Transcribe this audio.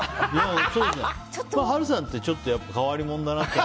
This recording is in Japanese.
波瑠さんってちょっとやっぱ変わり者だなと。